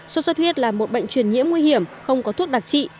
sốt xuất huyết là một bệnh truyền nhiễm nguy hiểm không có thuốc đặc trị